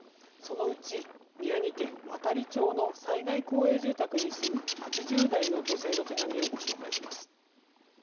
そのうち宮城県亘理町の災害公営住宅に住む８０代の女性の手紙をご紹介します。